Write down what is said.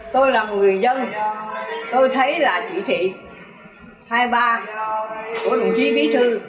tôi là một người dân tôi thấy là chỉ thị hai mươi ba của đồng chí bí thư